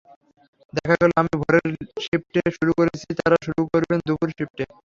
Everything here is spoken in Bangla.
দেখা গেল আমি ভোরের শিফটে শুরু করেছি, তারা শুরু করবেন দুপুরের শিফট।